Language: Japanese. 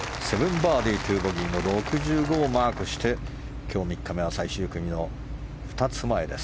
バーディー２ボギーの６５をマークして今日３日目は最終組の２つ前です。